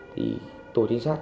thì tổ chính sát